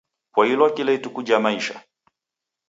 Poilwa kila ituku ja maisha.